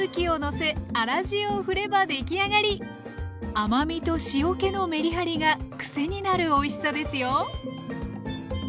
甘みと塩けのメリハリがくせになるおいしさですよ。